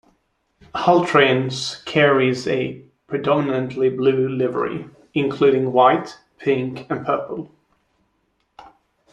Hull Trains carries a predominantly blue livery, including white, pink and purple.